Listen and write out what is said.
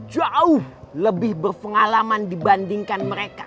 jauh lebih berpengalaman dibandingkan mereka